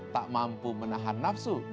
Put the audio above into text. tak mampu menahan nafsu